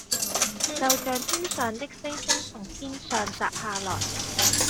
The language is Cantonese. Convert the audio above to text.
就像天上的星星從天上擲下來